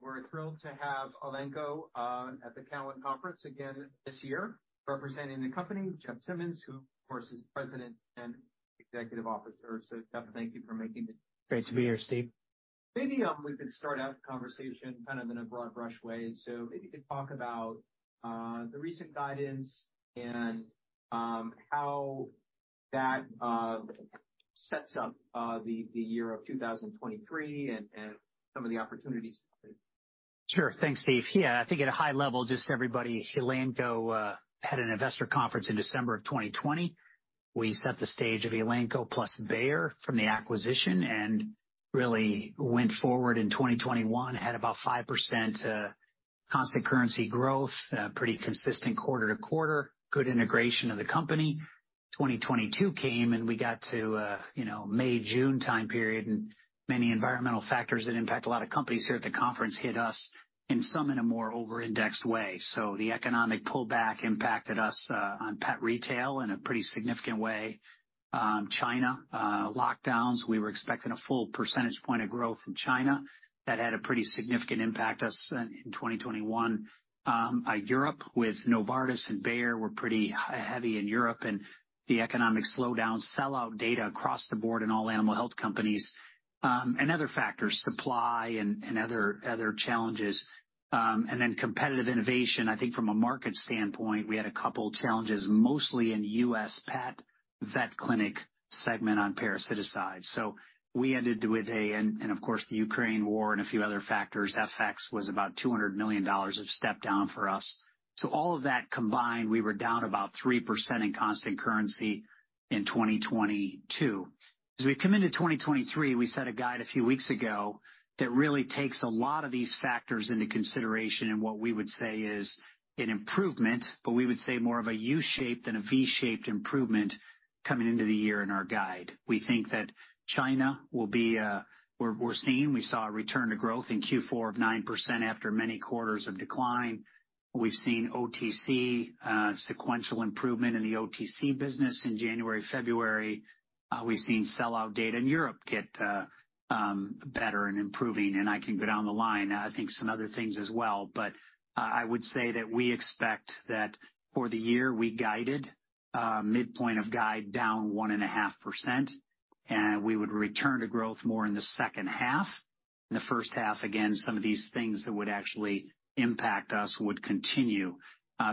We're thrilled to have Elanco at the Cowen Conference again this year. Representing the company, Jeff Simmons, who of course is President and Executive Officer. Jeff, thank you for making it. Great to be here, Steve. Maybe, we could start out the conversation kind of in a broad brush way. If you could talk about the recent guidance and how that sets up the year of 2023 and some of the opportunities. Sure. Thanks, Steve. Yeah, I think at a high level, just everybody, Elanco had an investor conference in December of 2020. We set the stage of Elanco plus Bayer from the acquisition and really went forward. In 2021, had about 5% constant currency growth, pretty consistent quarter to quarter, good integration of the company. 2022 came, and we got to, you know, May, June time period, and many environmental factors that impact a lot of companies here at the conference hit us and some in a more over-indexed way. The economic pullback impacted us on pet retail in a pretty significant way. China lockdowns. We were expecting a full percentage point of growth in China. That had a pretty significant impact to us in 2021. Europe with Novartis and Bayer were pretty heavy in Europe. The economic slowdown, sellout data across the board in all animal health companies, and other factors, supply and other challenges. Competitive innovation. I think from a market standpoint, we had a couple challenges, mostly in U.S. pet vet clinic segment on parasiticides. Of course, the Ukraine War and a few other factors, FX was about $200 million of step-down for us. All of that combined, we were down about 3% in constant currency in 2022. We come into 2023, we set a guide a few weeks ago that really takes a lot of these factors into consideration in what we would say is an improvement, but we would say more of a U-shaped than a V-shaped improvement coming into the year in our guide. We think that China will be, we saw a return to growth in Q4 of 9% after many quarters of decline. We've seen OTC sequential improvement in the OTC business in January, February. We've seen sellout data in Europe get better and improving, and I can go down the line. I think some other things as well. I would say that we expect that for the year we guided midpoint of guide down 1.5%, and we would return to growth more in the second half. In the first half, again, some of these things that would actually impact us would continue.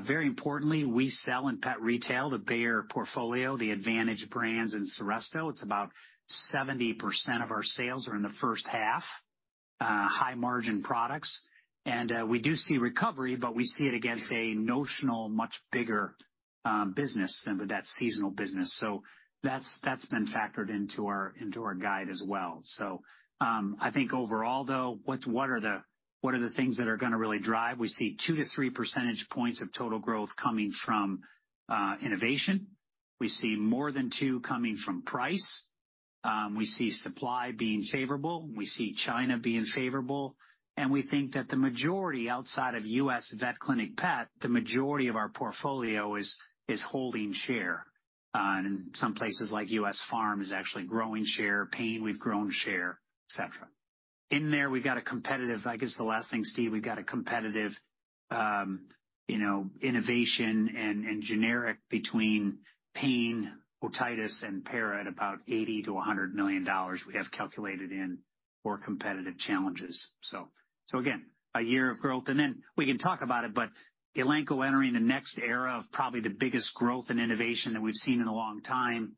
Very importantly, we sell in pet retail, the Bayer portfolio, the Advantage brands and Seresto. It's about 70% of our sales are in the first half, high-margin products. We do see recovery, but we see it against a notional much bigger business than that seasonal business. That's, that's been factored into our, into our guide as well. I think overall though, what are the, what are the things that are gonna really drive? We see 2-3 percentage points of total growth coming from innovation. We see more than two coming from price. We see supply being favorable. We see China being favorable. We think that the majority outside of U.S. vet clinic pet, the majority of our portfolio is holding share. In some places like U.S. farm is actually growing share. Pain, we've grown share, et cetera. In there, we've got a competitive... I guess the last thing, Steve, we've got a competitive, you know, innovation and generic between pain, otitis, and para at about $80 million-$100 million we have calculated in for competitive challenges. Again, a year of growth. We can talk about it, but Elanco entering the next era of probably the biggest growth and innovation that we've seen in a long time.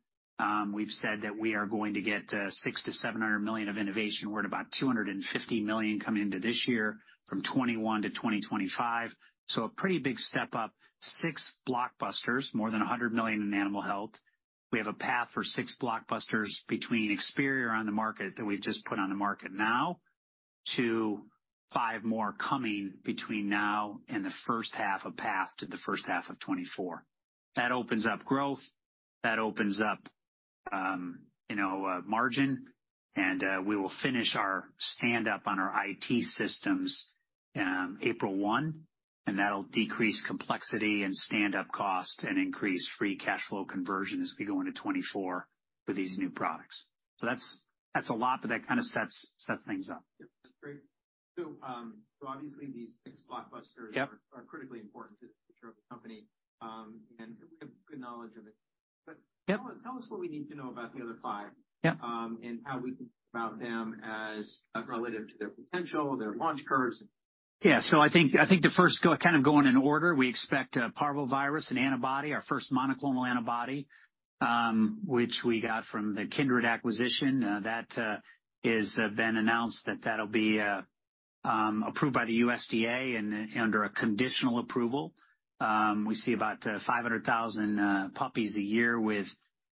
We've said that we are going to get $600 million-$700 million of innovation. We're at about $250 million coming into this year from 2021 to 2025. A pretty big step up. six blockbusters, more than $100 million in animal health. We have a path for six blockbusters between Experior on the market that we've just put on the market now to five more coming between now and the first half of 2024. That opens up growth, that opens up, you know, margin. We will finish our stand-up on our IT systems, April 1, and that'll decrease complexity and stand-up cost and increase free cash flow conversion as we go into 2024 for these new products. That's a lot, but that kinda sets things up. Yeah. That's great. obviously these six blockbusters- Yep. are critically important to the future of the company. We have good knowledge of it. Yep. Tell us what we need to know about the other five? Yep. How we can think about them as relative to their potential, their launch curves. Yeah. I think the first kind of going in order, we expect parvovirus, an antibody, our first monoclonal antibody, which we got from the Kindred acquisition. That is been announced that that'll be approved by the USDA under a conditional approval. We see about 500,000 puppies a year with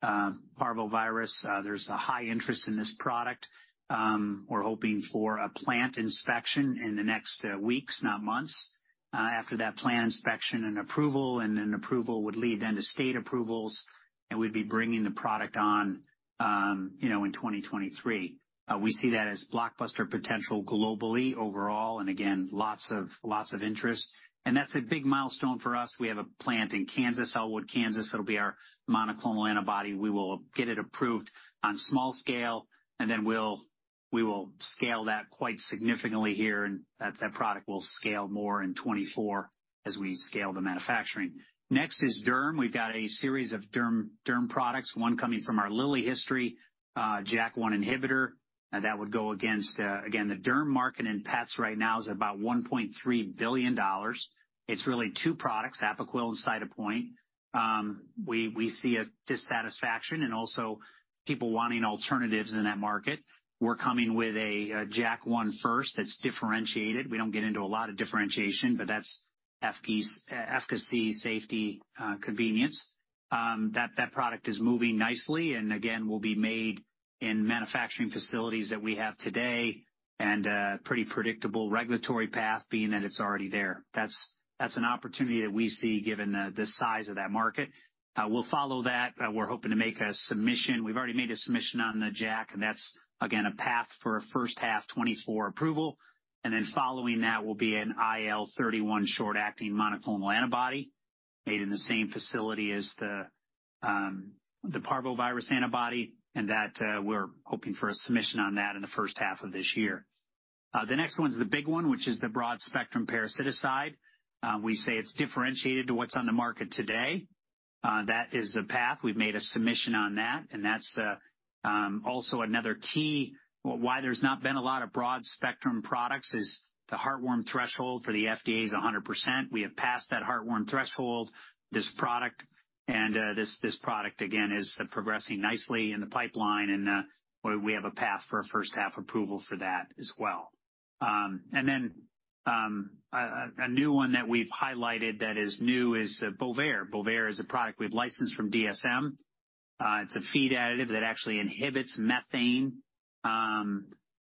parvovirus. There's a high interest in this product. We're hoping for a plant inspection in the next weeks, not months. After that plant inspection and approval, and then approval would lead then to state approvals, and we'd be bringing the product on, you know, in 2023. We see that as blockbuster potential globally overall, and again, lots of interest. That's a big milestone for us. We have a plant in Kansas, Elwood, Kansas. It'll be our monoclonal antibody. We will get it approved on small scale, and then We will scale that quite significantly here, and that product will scale more in 2024 as we scale the manufacturing. Next is derm. We've got a series of derm products, one coming from our Lilly history, JAK1 inhibitor. That would go against. Again, the derm market in pets right now is about $1.3 billion. It's really two products, Apoquel and Cytopoint. We see a dissatisfaction and also people wanting alternatives in that market. We're coming with a JAK1 first that's differentiated. We don't get into a lot of differentiation, that's efficacy, safety, convenience. That product is moving nicely and again, will be made in manufacturing facilities that we have today, pretty predictable regulatory path being that it's already there. That's an opportunity that we see given the size of that market. We'll follow that. We're hoping to make a submission. We've already made a submission on the JAK, that's again, a path for a first half 2024 approval. Following that will be an IL-31 short-acting monoclonal antibody made in the same facility as the parvovirus antibody, we're hoping for a submission on that in the first half of this year. The next one's the big one, which is the broad-spectrum parasiticide. We say it's differentiated to what's on the market today. That is the path. We've made a submission on that. That's also another key. Why there's not been a lot of broad-spectrum products is the heartworm threshold for the FDA is 100%. We have passed that heartworm threshold. This product, this product again, is progressing nicely in the pipeline, we have a path for a first half approval for that as well. Then a new one that we've highlighted that is new is the Bovaer. Bovaer is a product we've licensed from DSM. It's a feed additive that actually inhibits methane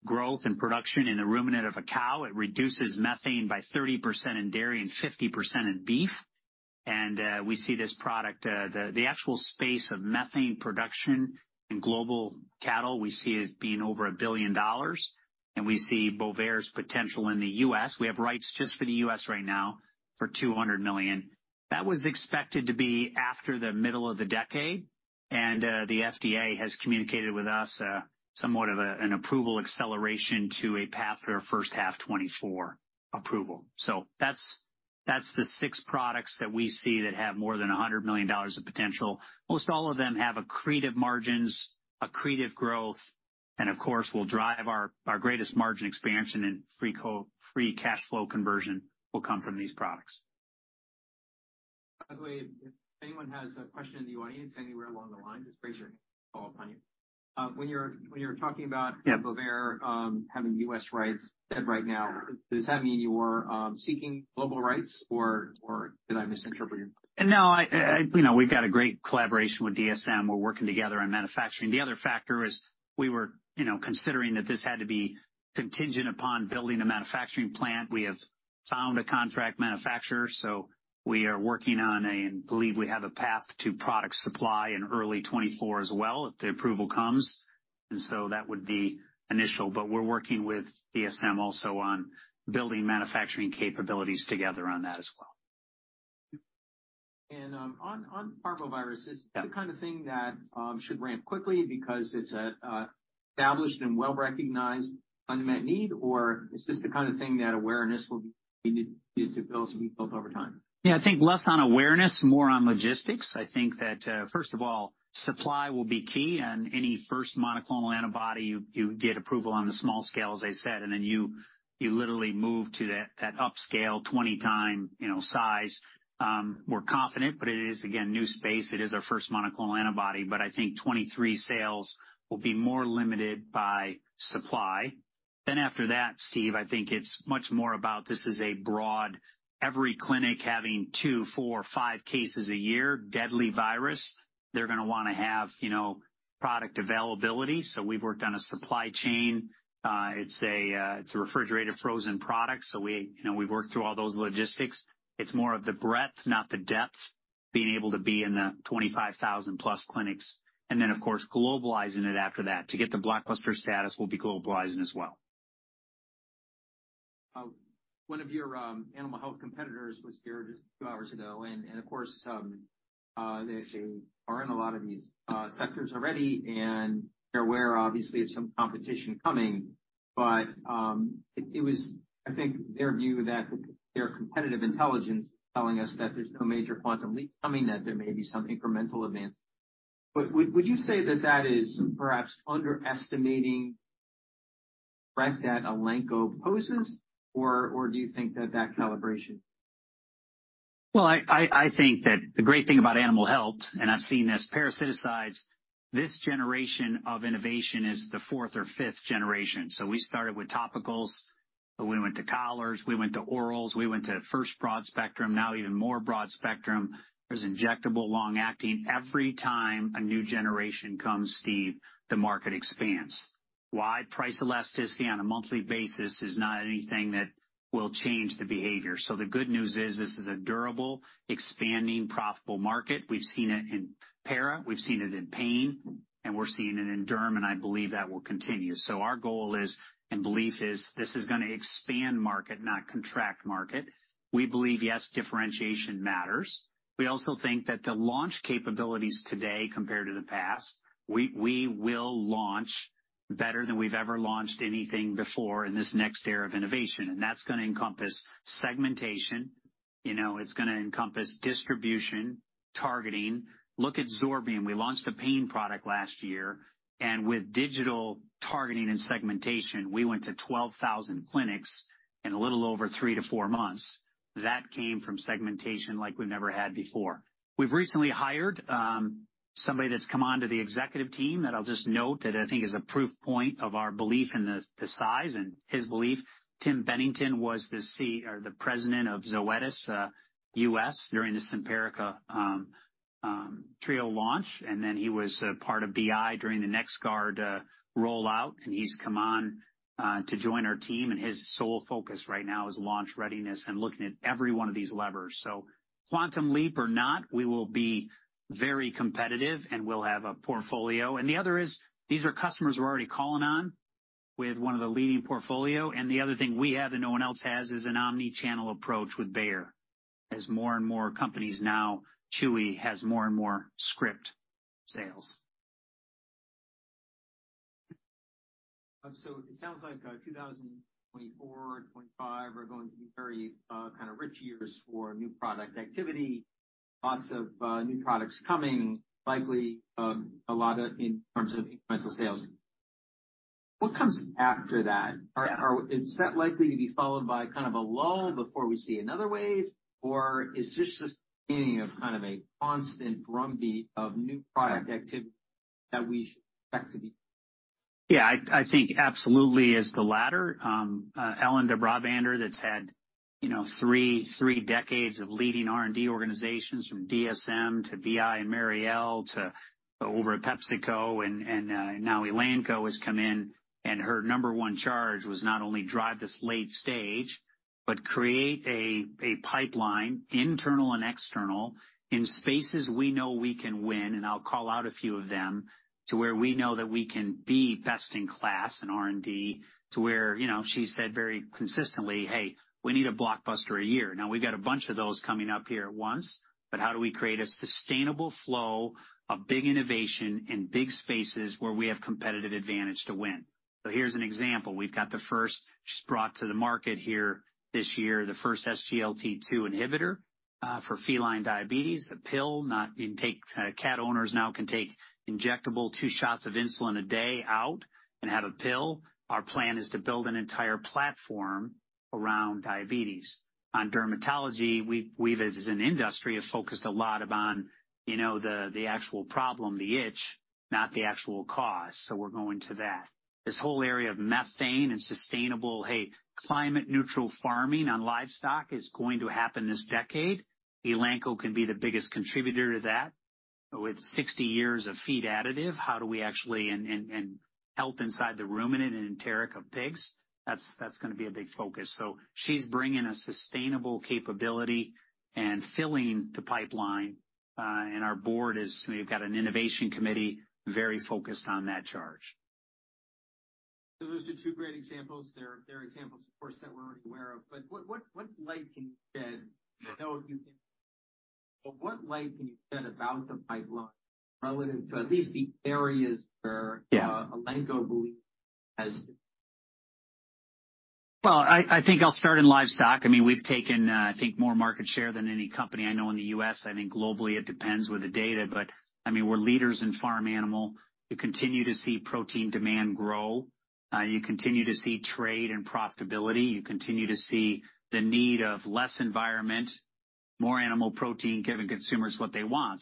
growth and production in the ruminant of a cow. It reduces methane by 30% in dairy and 50% in beef. We see this product, the actual space of methane production in global cattle we see as being over $1 billion, and we see Bovaer's potential in the U.S. We have rights just for the U.S. right now for $200 million. That was expected to be after the middle of the decade, the FDA has communicated with us somewhat of an approval acceleration to a path for a first half 2024 approval. That's the six products that we see that have more than $100 million of potential. Most all of them have accretive margins, accretive growth, and of course, will drive our greatest margin expansion and free cash flow conversion will come from these products. By the way, if anyone has a question in the audience anywhere along the line, just raise your hand. We'll call upon you. When you were talking about- Yeah. Bovaer, having U.S. rights as of right now, does that mean you're seeking global rights or did I misinterpret you? No. I, you know, we've got a great collaboration with DSM. We're working together on manufacturing. The other factor is we were, you know, considering that this had to be contingent upon building a manufacturing plant. We have found a contract manufacturer, so we are. Believe we have a path to product supply in early 2024 as well, if the approval comes. That would be initial. We're working with DSM also on building manufacturing capabilities together on that as well. And, um, on, on parvovirus- Yeah. Is this the kind of thing that should ramp quickly because it's a established and well-recognized unmet need, or is this the kind of thing that awareness will be needed to build, to be built over time? Yeah. I think less on awareness, more on logistics. I think that, first of all, supply will be key. On any first monoclonal antibody, you get approval on the small scale, as I said, then you literally move to that upscale 20 times, you know, size. We're confident, it is again, new space. It is our first monoclonal antibody, I think 2023 sales will be more limited by supply. After that, Steve, I think it's much more about this is a broad every clinic having two, four, or five cases a year, deadly virus. They're gonna wanna have, you know, product availability. We've worked on a supply chain. It's a refrigerator frozen product, we, you know, we've worked through all those logistics. It's more of the breadth, not the depth, being able to be in the 25,000+ clinics. Of course, globalizing it after that. To get the blockbuster status, we'll be globalizing as well. One of your animal health competitors was here just a few hours ago, of course, they are in a lot of these sectors already and they're aware obviously of some competition coming. It was I think their view that their competitive intelligence telling us that there's no major quantum leap coming, that there may be some incremental advance. Would you say that that is perhaps underestimating the threat that Elanco poses, do you think they're that calibration? Well, I think that the great thing about animal health, and I've seen this, parasiticides, this generation of innovation is the fourth or fifth generation. We started with topicals, we went to collars, we went to orals, we went to first broad spectrum, now even more broad spectrum. There's injectable long-acting. Every time a new generation comes, Steve, the market expands. Why? Price elasticity on a monthly basis is not anything that will change the behavior. The good news is this is a durable, expanding, profitable market. We've seen it in para, we've seen it in pain, and we're seeing it in derm, and I believe that will continue. Our goal is and belief is this is gonna expand market, not contract market. We believe, yes, differentiation matters. We also think that the launch capabilities today compared to the past, we will launch better than we've ever launched anything before in this next era of innovation. That's gonna encompass segmentation, you know, it's gonna encompass distribution, targeting. Look at Zorbium. We launched a pain product last year. With digital targeting and segmentation, we went to 12,000 clinics in a little over three to four months. That came from segmentation like we've never had before. We've recently hired somebody that's come on to the executive team that I'll just note that I think is a proof point of our belief in the size and his belief. Tim Bettington was the or the president of Zoetis, U.S. during the Simparica Trio launch, then he was part of BI during the NexGard rollout, he's come on to join our team. His sole focus right now is launch readiness and looking at every one of these levers. Quantum leap or not, we will be very competitive, and we'll have a portfolio. The other is these are customers we're already calling on with one of the leading portfolio. The other thing we have that no one else has is an omni-channel approach with Bayer. As more and more companies now, Chewy has more and more script sales. It sounds like, 2024 and 2025 are going to be very, kind of rich years for new product activity. Lots of, new products coming, likely, a lot of in terms of incremental sales. What comes after that? Yeah. Is that likely to be followed by kind of a lull before we see another wave? Or is this just the beginning of kind of a constant drumbeat of new product activity that we should expect to be? Yeah. I think absolutely is the latter. Ellen de Brabander, that's had, you know, three decades of leading R&D organizations, from DSM to BI and Merial to over at PepsiCo and now Elanco, has come in, and her number one charge was not only drive this late stage, but create a pipeline, internal and external, in spaces we know we can win, and I'll call out a few of them, to where we know that we can be best in class in R&D to where, you know, she said very consistently, "Hey, we need a blockbuster a year." Now we've got a bunch of those coming up here at once, but how do we create a sustainable flow of big innovation in big spaces where we have competitive advantage to win? Here's an example. We've got the first just brought to the market here this year, the first SGLT2 inhibitor for feline diabetes. A pill cat owners now can take injectable two shots of insulin a day out and have a pill. Our plan is to build an entire platform around diabetes. On dermatology, we as an industry have focused a lot upon, you know, the actual problem, the itch, not the actual cause, so we're going to that. This whole area of methane and sustainable, climate-neutral farming on livestock is going to happen this decade. Elanco can be the biggest contributor to that. With 60 years of feed additive, how do we actually and health inside the ruminant and enteric of pigs, that's gonna be a big focus. She's bringing a sustainable capability and filling the pipeline, and our board has got an innovation committee very focused on that charge. Those are two great examples. They're examples, of course, that we're already aware of. What light can you shed, you know, about the pipeline relative to at least the areas where. Yeah. Elanco believes has. Well, I think I'll start in livestock. I mean, we've taken, I think, more market share than any company I know in the U.S. I think globally, it depends with the data, but, I mean, we're leaders in farm animal. You continue to see protein demand grow. You continue to see trade and profitability. You continue to see the need of less environment, more animal protein, giving consumers what they want.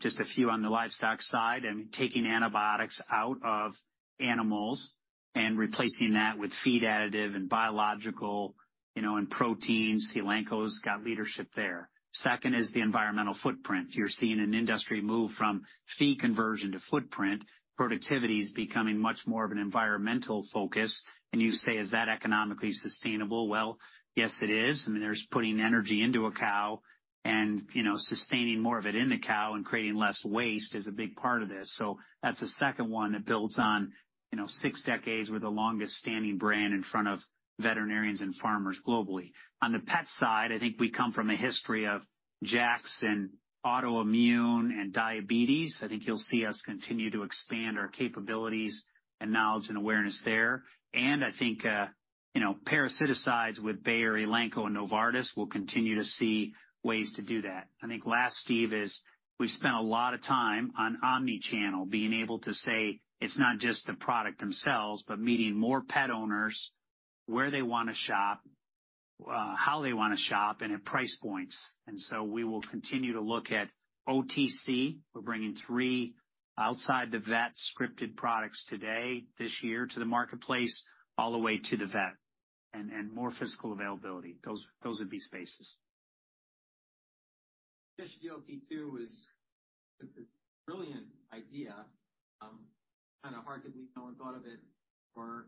Just a few on the livestock side, I mean, taking antibiotics out of animals and replacing that with feed additive and biological, you know, and protein. Elanco's got leadership there. Second is the environmental footprint. You're seeing an industry move from feed conversion to footprint. Productivity is becoming much more of an environmental focus. You say, "Is that economically sustainable?" Well, yes, it is. I mean, there's putting energy into a cow and, you know, sustaining more of it in the cow and creating less waste is a big part of this. That's the second one that builds on, you know, six decades. We're the longest-standing brand in front of veterinarians and farmers globally. On the pet side, I think we come from a history of JAKs and autoimmune and diabetes. I think you'll see us continue to expand our capabilities and knowledge and awareness there. I think, you know, parasiticides with Bayer, Elanco and Novartis, we'll continue to see ways to do that. I think last, Steve, is we've spent a lot of time on omni-channel, being able to say it's not just the product themselves, but meeting more pet owners where they wanna shop, how they wanna shop, and at price points. We will continue to look at OTC. We're bringing three outside the vet scripted products today, this year to the marketplace, all the way to the vet, and more physical availability. Those would be spaces. SGLT2 was a brilliant idea. Kinda hard to believe no one thought of it for,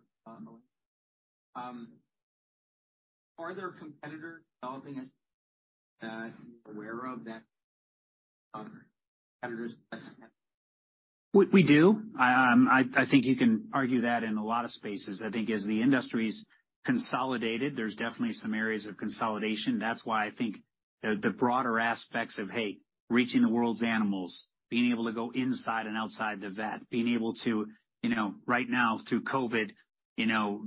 are there competitors developing it, you're aware of that, competitors? We do. I think you can argue that in a lot of spaces. I think as the industry's consolidated, there's definitely some areas of consolidation. That's why the broader aspects of, hey, reaching the world's animals, being able to go inside and outside the vet, being able to, you know, right now through COVID, you know,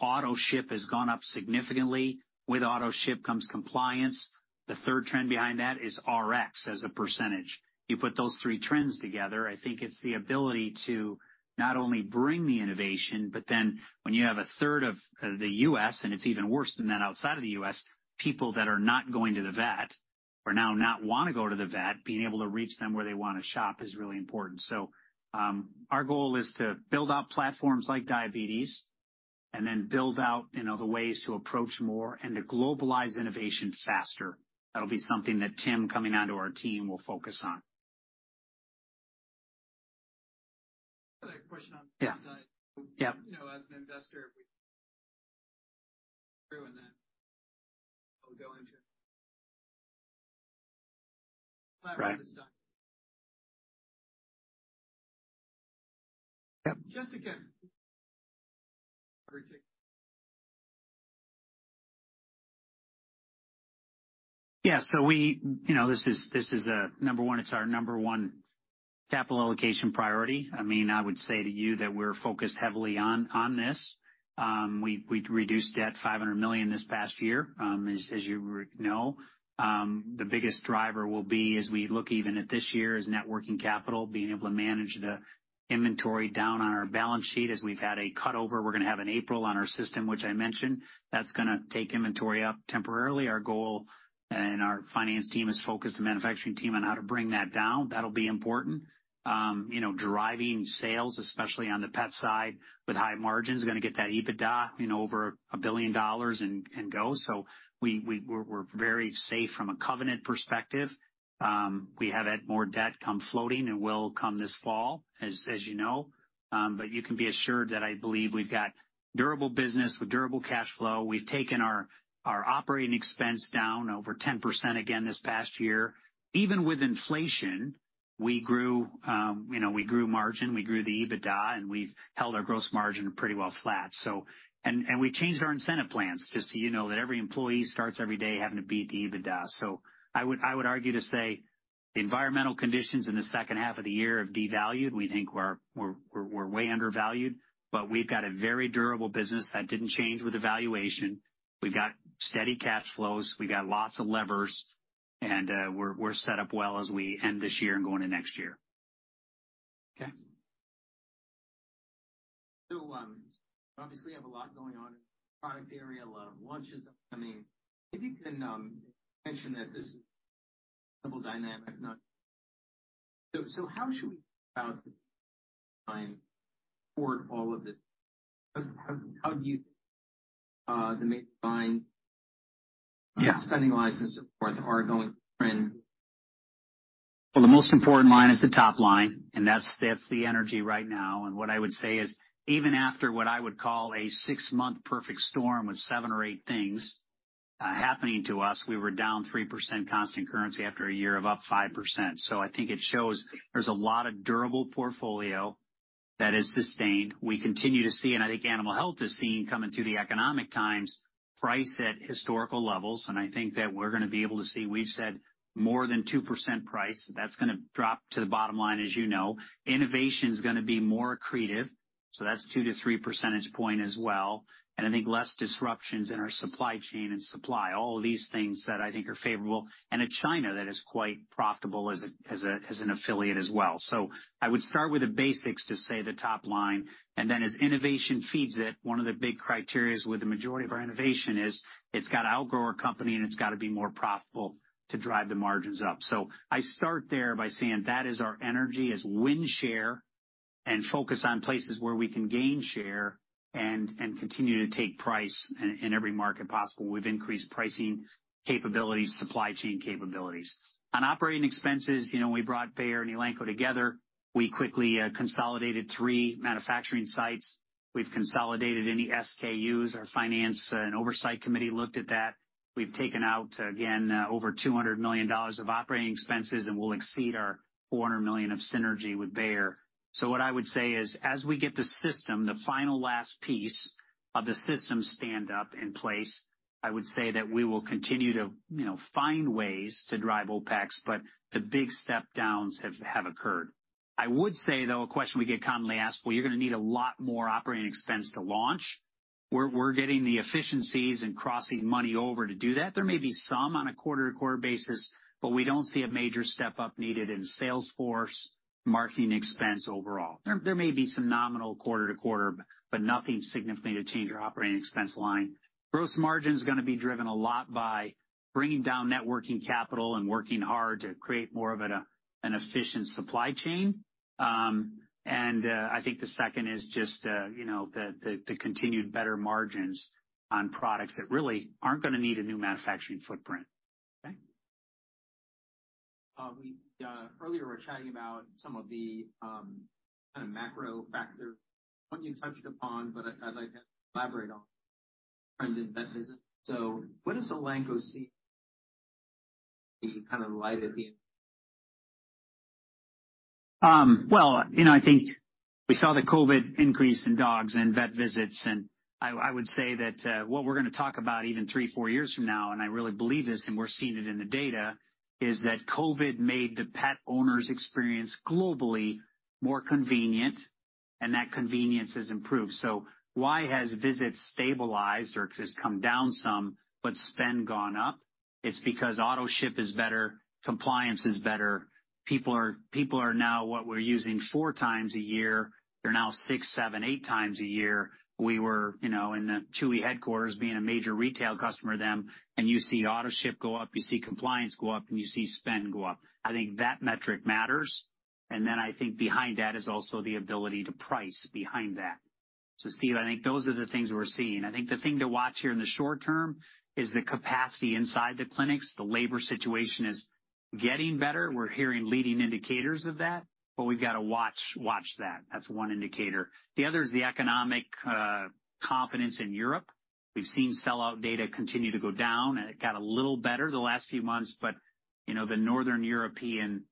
Autoship has gone up significantly. With Autoship comes compliance. The third trend behind that is RX as a percentage. You put those three trends together, I think it's the ability to not only bring the innovation, but then when you have a third of the U.S., and it's even worse than that outside of the U.S., people that are not going to the vet or now not wanna go to the vet, being able to reach them where they wanna shop is really important. Our goal is to build out platforms like diabetes and then build out, you know, the ways to approach more and to globalize innovation faster. That'll be something that Tim coming onto our team will focus on. I had a question on. Yeah. You know, as an investor, we doing that. I'll go into it. Right. Yep. Just again. You know, this is a number one, it's our number one capital allocation priority. I mean, I would say to you that we're focused heavily on this. We reduced debt $500 million this past year, as you know. The biggest driver will be as we look even at this year's networking capital, being able to manage the inventory down on our balance sheet. As we've had a cut over, we're gonna have an April on our system, which I mentioned. That's gonna take inventory up temporarily. Our goal and our finance team is focused, the manufacturing team, on how to bring that down. That'll be important. You know, driving sales, especially on the pet side with high margins, gonna get that EBITDA, you know, over $1 billion and go. We're very safe from a covenant perspective. We have had more debt come floating and will come this fall, as you know. You can be assured that I believe we've got durable business with durable cash flow. We've taken our operating expense down over 10% again this past year. Even with inflation, we grew, you know, we grew margin, we grew the EBITDA, and we've held our gross margin pretty well flat. We changed our incentive plans, just so you know, that every employee starts every day having to beat the EBITDA. I would argue to say environmental conditions in the second half of the year have devalued. We think we're way undervalued, but we've got a very durable business that didn't change with valuation. We've got steady cash flows, we've got lots of levers, and, we're set up well as we end this year and go into next year. Okay. obviously you have a lot going on in the product area, a lot of launches. I mean, if you can, mention that this double dynamic. How should we about the line for all of this? Yeah. Spending license support are going trend. The most important line is the top line, that's the energy right now. What I would say is, even after what I would call a 6-month perfect storm with seven or eight things happening to us, we were down 3% constant currency after a year of up 5%. I think it shows there's a lot of durable portfolio that is sustained. We continue to see, I think animal health is seen coming through the economic times, price at historical levels. I think that we're gonna be able to see, we've said more than 2% price. That's gonna drop to the bottom line as you know. Innovation's gonna be more accretive, that's 2 to 3 percentage point as well. I think less disruptions in our supply chain and supply, all of these things that I think are favorable. A China that is quite profitable as a, as a, as an affiliate as well. I would start with the basics to say the top line, and then as innovation feeds it, one of the big criterias with the majority of our innovation is it's got to outgrow our company and it's got to be more profitable to drive the margins up. I start there by saying that is our energy as win share and focus on places where we can gain share and continue to take price in every market possible with increased pricing capabilities, supply chain capabilities. On operating expenses, you know, we brought Bayer and Elanco together. We quickly consolidated three manufacturing sites. We've consolidated any SKUs. Our finance and oversight committee looked at that. We've taken out, again, over $200 million of operating expenses and we'll exceed our $400 million of synergy with Bayer. What I would say is, as we get the system, the final last piece of the system stand up in place, I would say that we will continue to, you know, find ways to drive OpEx, but the big step downs have occurred. I would say, though, a question we get commonly asked, "Well, you're gonna need a lot more operating expense to launch." We're getting the efficiencies and crossing money over to do that. There may be some on a quarter-to-quarter basis, but we don't see a major step up needed in sales force, marketing expense overall. There may be some nominal quarter-to-quarter, but nothing significant to change our operating expense line. Gross margin's gonna be driven a lot by bringing down net working capital and working hard to create more of an efficient supply chain. I think the second is just, you know, the continued better margins on products that really aren't gonna need a new manufacturing footprint. Okay. We earlier were chatting about some of the kind of macro factor, one you touched upon, but I'd like to elaborate on. Friends in vet visit. What does Elanco see kind of light at the end? Well, you know, I think we saw the COVID increase in dogs and vet visits, and I would say that, what we're gonna talk about even three, four years from now, and I really believe this, and we're seeing it in the data, is that COVID made the pet owner's experience globally more convenient, and that convenience has improved. Why has visits stabilized or just come down some but spend gone up? It's because Autoship is better, compliance is better. People are now what we're using four times a year, they're now six, seven, eight times a year. We were, you know, in the Chewy headquarters being a major retail customer of them, and you see Autoship go up, you see compliance go up, and you see spend go up. I think that metric matters. I think behind that is also the ability to price behind that. Steve, I think those are the things we're seeing. I think the thing to watch here in the short term is the capacity inside the clinics. The labor situation is getting better. We're hearing leading indicators of that, but we've got to watch that. That's one indicator. The other is the economic confidence in Europe. We've seen sellout data continue to go down. It got a little better the last few months, but, you know, the Northern European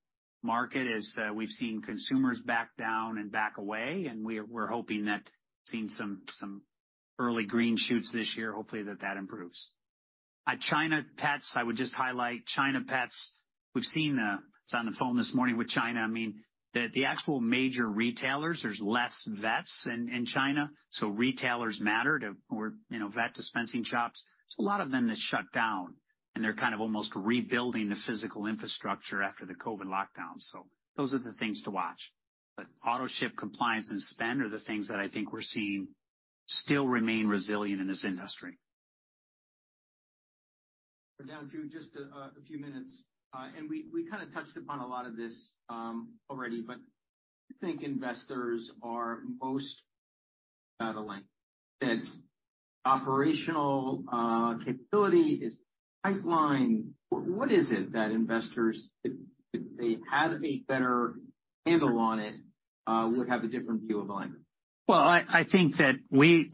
market is, we've seen consumers back down and back away, and we're hoping that seeing some early green shoots this year, hopefully that improves. China pets, I would just highlight China pets, we've seen, I was on the phone this morning with China. I mean, the actual major retailers, there's less vets in China, so retailers matter to, or, you know, vet dispensing shops. There's a lot of them that shut down, and they're kind of almost rebuilding the physical infrastructure after the COVID lockdown. Those are the things to watch. Autoship, compliance, and spend are the things that I think we're seeing still remain resilient in this industry. We're down to just a few minutes. We kind of touched upon a lot of this already, but I think investors are most battling that operational capability is pipeline. What is it that investors, if they had a better handle on it, would have a different view of Elanco? Well, I think that we.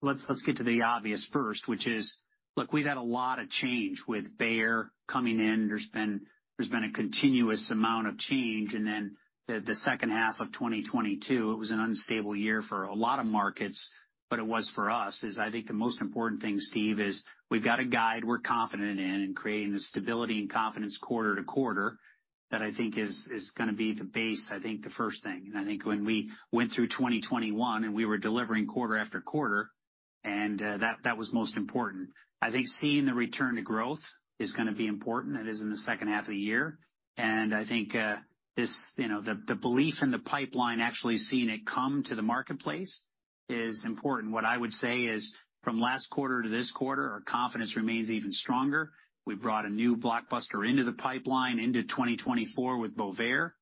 Let's get to the obvious first, which is, look, we've had a lot of change with Bayer coming in. There's been a continuous amount of change. Then the second half of 2022, it was an unstable year for a lot of markets, but it was for us, is I think the most important thing, Steve, is we've got a guide we're confident in and creating the stability and confidence quarter to quarter that I think is gonna be the base, the first thing. I think when we went through 2021 and we were delivering quarter after quarter, and that was most important. I think seeing the return to growth is gonna be important. That is in the second half of the year. I think, this, you know, the belief in the pipeline, actually seeing it come to the marketplace is important. What I would say is from last quarter to this quarter, our confidence remains even stronger. We brought a new blockbuster into the pipeline into 2024 with Bovaer.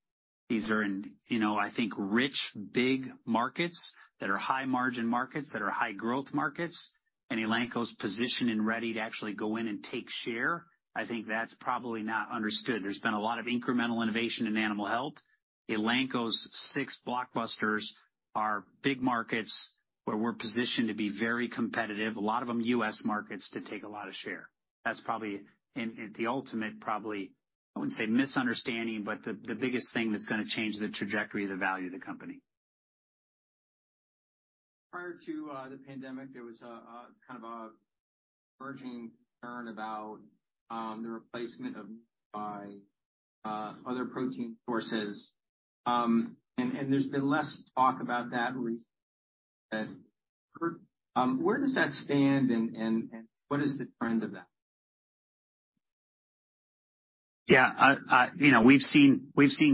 These are in, you know, I think rich, big markets that are high margin markets, that are high growth markets, and Elanco's position and ready to actually go in and take share. I think that's probably not understood. There's been a lot of incremental innovation in animal health. Elanco's six blockbusters are big markets where we're positioned to be very competitive, a lot of them U.S. markets, to take a lot of share. That's probably in the ultimate, probably, I wouldn't say misunderstanding, but the biggest thing that's gonna change the trajectory of the value of the company. Prior to the pandemic, there was a kind of a emerging concern about the replacement of by other protein sources. There's been less talk about that recently. Where does that stand and what is the trend of that? Yeah. You know, we've seen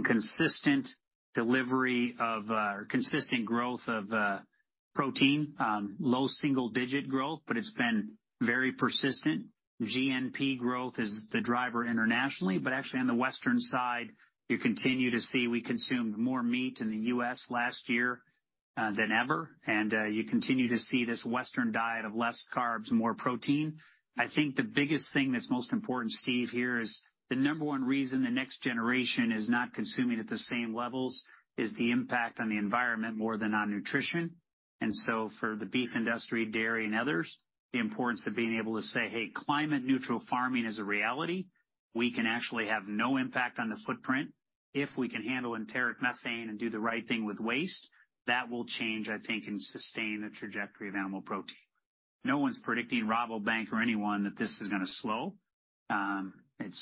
consistent delivery of consistent growth of protein. Low-single digit growth, but it's been very persistent. GNP growth is the driver internationally, but actually on the Western side, you continue to see we consumed more meat in the U.S. last year than ever. You continue to see this Western diet of less carbs, more protein. I think the biggest thing that's most important, Steve, here is the number one reason the next generation is not consuming at the same levels is the impact on the environment more than on nutrition. For the beef industry, dairy, and others, the importance of being able to say, "Hey, climate neutral farming is a reality. We can actually have no impact on the footprint if we can handle enteric methane and do the right thing with waste," that will change, I think, and sustain the trajectory of animal protein. No one's predicting Rabobank or anyone that this is gonna slow.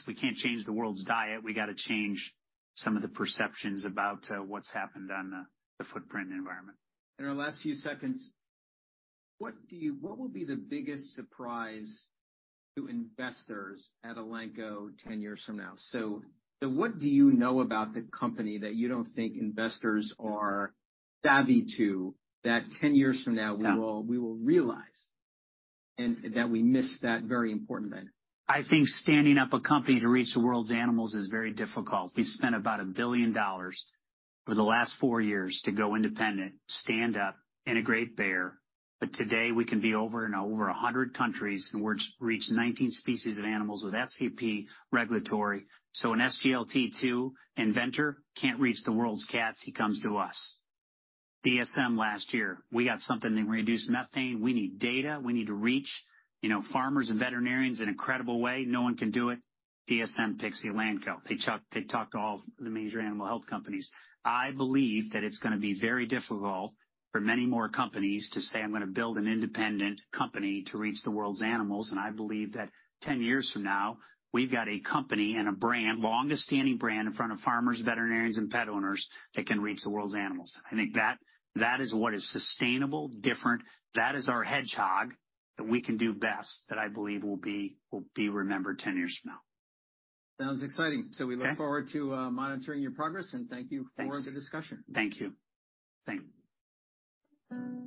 We can't change the world's diet. We gotta change some of the perceptions about what's happened on the footprint environment. In our last few seconds, what will be the biggest surprise to investors at Elanco 10 years from now? What do you know about the company that you don't think investors are savvy to that 10 years from now... Yeah. we will realize that we missed that very important then? I think standing up a company to reach the world's animals is very difficult. We've spent about $1 billion over the last four years to go independent, stand up, integrate Bayer. Today we can be over, in over 100 countries, and we're reach 19 species of animals with SCP regulatory. An SGLT2 inventor can't reach the world's cats, he comes to us. DSM last year, we got something to reduce methane. We need data. We need to reach, you know, farmers and veterinarians in an incredible way. No one can do it. DSM picks Elanco. They talked to all the major animal health companies. I believe that it's gonna be very difficult for many more companies to say, "I'm gonna build an independent company to reach the world's animals." I believe that 10 years from now, we've got a company and a brand, longest standing brand in front of farmers, veterinarians and pet owners that can reach the world's animals. I think that is what is sustainable, different. That is our Hedgehog that we can do best, that I believe will be remembered 10 years from now. Sounds exciting. Okay. We look forward to, monitoring your progress, and thank you. Thanks. for the discussion. Thank you. Thank you.